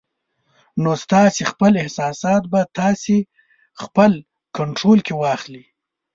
نو ستاسې خپل احساسات به تاسې خپل کنټرول کې واخلي